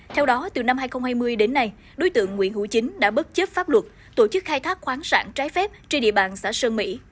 theo đó từ năm hai nghìn hai mươi đến nay đối tượng nguyễn hữu chính đã bất chấp pháp luật tổ chức khai thác khoáng sản trái phép trên địa bàn xã sơn mỹ